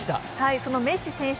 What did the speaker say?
そのメッシ選手